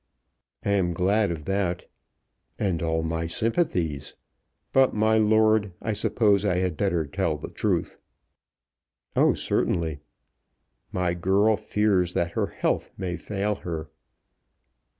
"I am glad of that." "And all my sympathies. But, my lord, I suppose I had better tell the truth." "Oh, certainly." "My girl fears that her health may fail her."